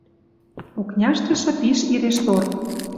Окняштышы пиш ире штор.